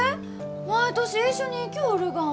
毎年一緒に行きょうるがん。